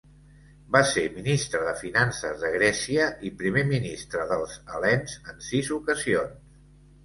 Va ser ministre de finances de Grècia i Primer Ministre dels Hel·lens en sis ocasions.